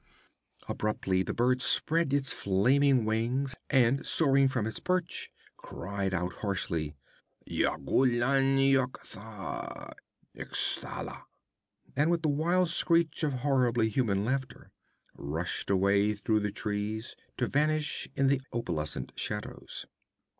Abruptly the bird spread its flaming wings and, soaring from its perch, cried out harshly: 'Yagkoolan yok tha, xuthalla!' and with a wild screech of horribly human laughter, rushed away through the trees to vanish in the opalescent shadows.